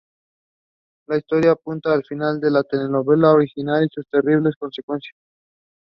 La historia apunta al final de la telenovela original y sus terribles consecuencias.